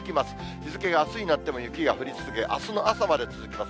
日付があすになっても雪が降り続き、あすの朝まで続きます。